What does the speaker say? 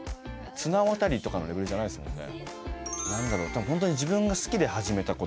綱渡りとかのレベルじゃないですもんね。